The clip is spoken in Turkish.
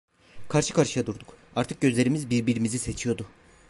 Karşı karşıya durduk, artık gözlerimiz birbirimizi seçiyordu.